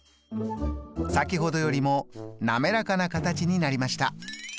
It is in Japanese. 先ほどよりも滑らかな形になりました。